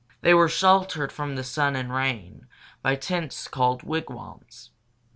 They were sheltered from the sun and rain by tents called wigwams.